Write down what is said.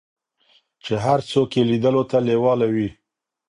چې هر څوک یې لیدلو ته لیواله وي.